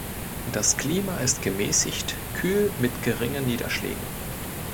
Das Klima ist gemäßigt kühl mit geringen Niederschlägen.